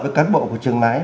với cán bộ của trường máy